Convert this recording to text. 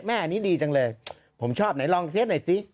แม่นี่ดีจังเลย